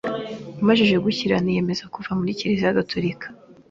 maze gukira niyemeza kuva muri kiliziya gatulika